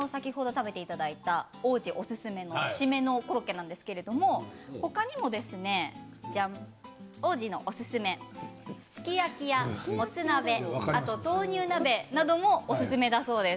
先ほど食べていただいた王子おすすめの締めのコロッケなんですが他にも王子のおすすめすき焼きや、もつ鍋豆乳鍋などもおすすめだそうです。